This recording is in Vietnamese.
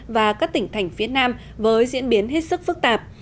và các tỉnh thành phía nam với diễn biến hết sức phức tạp